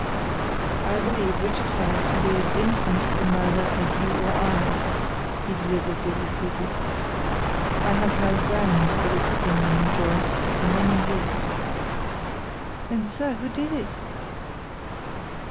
"I believe Richard Hare to be as innocent of the murder as you or I," he deliberately repeated. "I have held grounds for this opinion, Joyce, for many years." "Then, sir, who did it?"